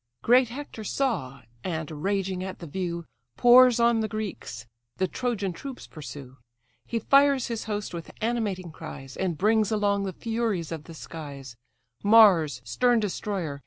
Great Hector saw, and, raging at the view, Pours on the Greeks: the Trojan troops pursue: He fires his host with animating cries, And brings along the furies of the skies, Mars, stern destroyer!